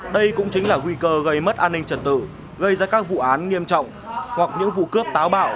đây cũng chính là nguy cơ gây mất an ninh trật tự gây ra các vụ án nghiêm trọng hoặc những vụ cướp táo bạo